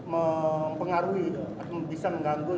mempengaruhi bisa mengganggu